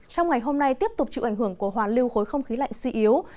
trong ngày hôm nay tiếp tục chịu ảnh hưởng của hoàn lưu khối không khí lạnh suy yếu